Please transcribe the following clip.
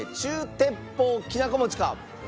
鉄砲きなこ餅か。